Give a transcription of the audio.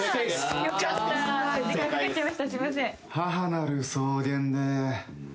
母なる草原で。